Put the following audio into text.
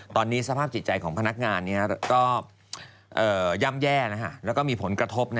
ตอนนี้สภาพจิตใจของพนักงานก็ย่ำแย่แล้วก็มีผลกระทบ